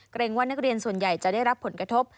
เกรงว่านักเรียนส่วนใหญ่จะได้รับผลกระทบ